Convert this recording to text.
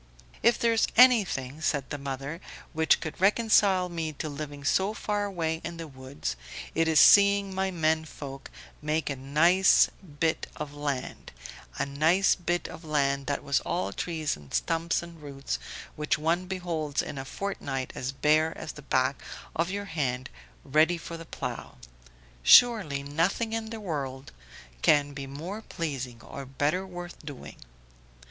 "If there is anything," said the mother, "which could reconcile me to living so far away in the woods, it is seeing my men folk make a nice bit of land a nice bit of land that was all trees and stumps and roots, which one beholds in a fortnight as bare as the back of your hand, ready for the plough; surely nothing in the world can be more pleasing or better worth doing."